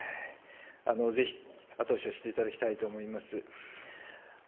ぜひ、後押しをしていただきたいと思います。